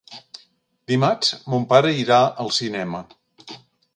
Dimarts mon pare irà al cinema.